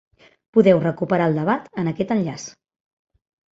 Podeu recuperar el debat en aquest enllaç.